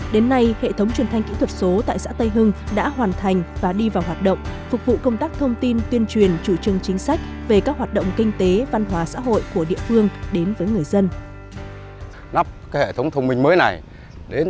đến nay hệ thống truyền thanh kỹ thuật số tại xã tây hưng đã hoàn thành và đi vào hoạt động phục vụ công tác thông tin tuyên truyền chủ trương chính sách về các hoạt động kinh tế văn hóa xã hội của địa phương đến với người dân